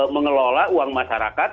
mengelola uang masyarakat